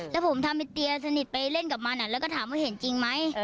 แล้วผมทำเป็นเตียสนิทไปเล่นกับมันแล้วก็ถามว่าเห็นจริงไหม